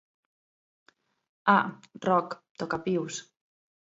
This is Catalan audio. Ah, Roc, toca pius!...